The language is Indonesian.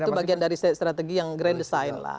itu bagian dari strategi yang grand design lah